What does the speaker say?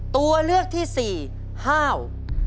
ตัวเลือกที่๔ฮ่าว